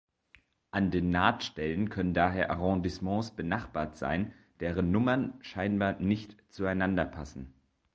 An den Nahtstellen können daher Arrondissements benachbart sein, deren Nummern scheinbar nicht zueinander passen.